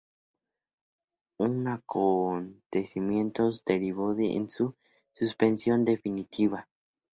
Un acontecimientos derivo en su suspensión definitiva.